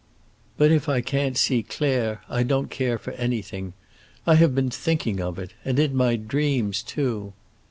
But if I can't see Claire, I don't care for anything. I have been thinking of it—and in my dreams, too.